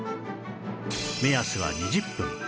目安は２０分